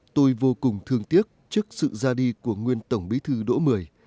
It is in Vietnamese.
tôi vô cùng thương tiếc trước sự ra đi của nguyên tổng bí thư độ một mươi